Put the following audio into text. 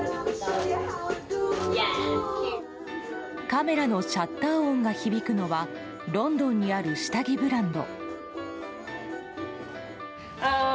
カメラのシャッター音が響くのはロンドンにある下着ブランド。